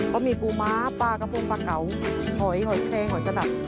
ก็มีปูม้าปลากระพงปลาเก๋าหอยหอยแคงหอยกระดับ